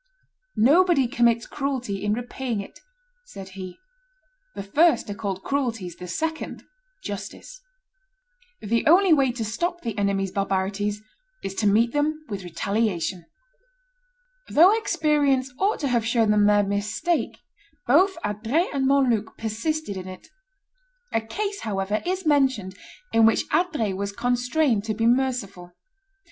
"Nobody commits cruelty in repaying it," said he; "the first are called cruelties, the second justice. The only way to stop the enemy's barbarities is to meet them with retaliation." Though experience ought to have shown them their mistake, both Adrets and Montluc persisted in it. A case, however, is mentioned in which Adrets was constrained to be merciful.